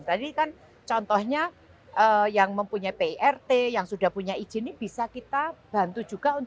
tadi kan contohnya yang mempunyai pirt yang sudah punya izin ini bisa kita bantu juga